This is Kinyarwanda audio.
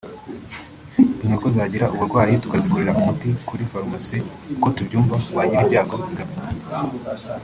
inkoko zagira uburwayi tukazigurira umuti kuri farumasi uko tubyumva wagira ibyago zigapfa